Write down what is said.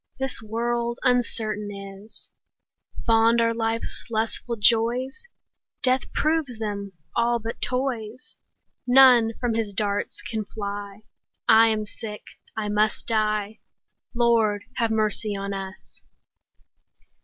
This world uncertain is: Fond are life's lustful joys, Death proves them all but toys. None from his darts can fly; 5 I am sick, I must die— Lord, have mercy on us!